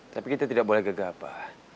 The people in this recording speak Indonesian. tapi kita tidak boleh gegah apa